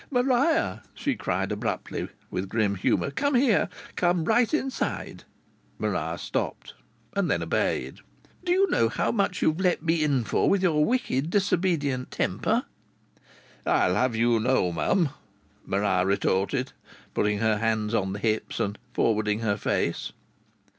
"Maria!" she cried abruptly with grim humour. "Come here. Come right inside." Maria stopped, then obeyed. "Do you know how much you've let me in for, with your wicked, disobedient temper?" "I'd have you know, mum " Maria retorted, putting her hands on the hips and forwarding her face.